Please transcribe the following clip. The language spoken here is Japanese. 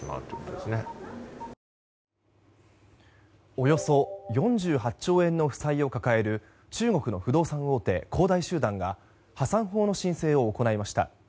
およそ４８兆円の負債を抱える中国の不動産大手、恒大集団が破産法の申請を行いました。